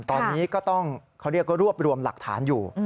ตอนนี้ก็ต้องเขาเรียกว่ารวบรวมหลักฐานอยู่